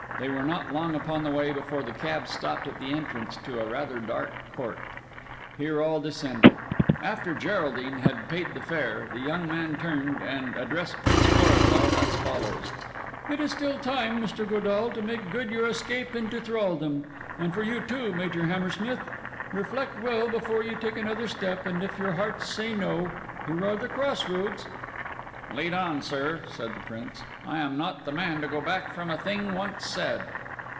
They were not long upon the way before the cab stopped at the entrance to a rather dark court. Here all descended. After Geraldine had paid the fare, the young man turned, and addressed Prince Florizel as follows:— "It is still time, Mr. Godall, to make good your escape into thraldom. And for you too, Major Hammersmith. Reflect well before you take another step; and if your hearts say no—here are the cross roads." "Lead on, sir," said the Prince. "I am not the man to go back from a thing once said."